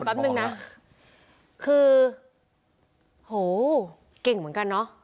แป๊บนึงนะคือโหเก่งเหมือนกันเนอะ